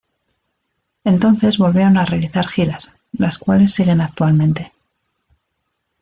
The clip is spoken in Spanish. Entonces volvieron a realizar giras, las cuales siguen actualmente.